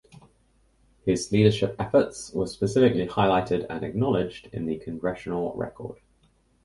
His leadership efforts were specifically highlighted and acknowledged in the "Congressional Record".